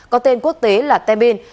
có tên quốc tế là temin